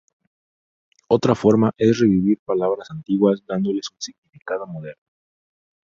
Otra forma es revivir palabras antiguas dándoles un significado moderno.